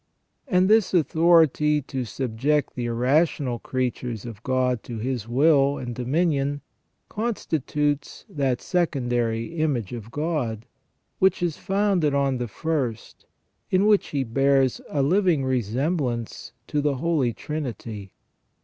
And this authority to sub ject the irrational creatures of God to his will and dominion con stitutes that secondary image of God, which is founded on the first, in which he bears a living resemblance to the Holy Trinity.